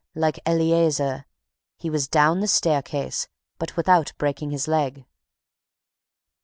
like Eleazer, he was down the staircase, but without breaking his leg.